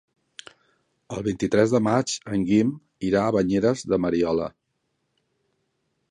El vint-i-tres de maig en Guim irà a Banyeres de Mariola.